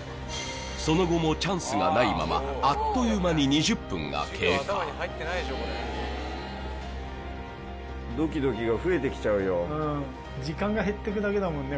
その後もチャンスがないままあっという間に２０分が経過うん時間が減ってくだけだもんね